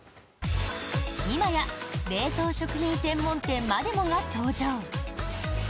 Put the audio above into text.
今や冷凍食品専門店までもが登場。